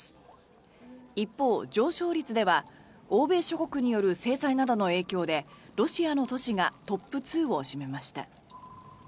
一方、上昇率では欧米諸国による制裁などの影響でロシアの都市がトップ２を占めました。